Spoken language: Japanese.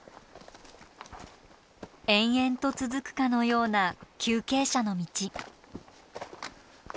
延々と続くかのような急傾斜の道。